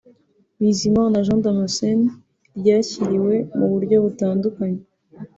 Bizimana Jean Damascene ryakiriwe mu buryo butandukanye